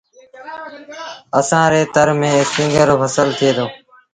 اسآݩ ري تر ميݩ اسپِنگر رو با ڦسل ٿئي دو